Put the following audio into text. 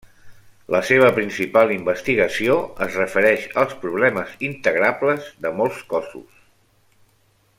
La seva principal investigació es refereix als problemes integrables de molts cossos.